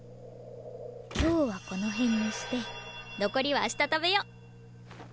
今日はこの辺にして残りは明日食べよう。